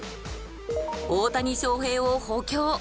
「大谷翔平を補強」。